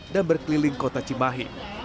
dan berkeliling kota cimahi